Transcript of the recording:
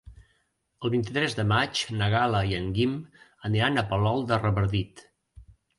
El vint-i-tres de maig na Gal·la i en Guim aniran a Palol de Revardit.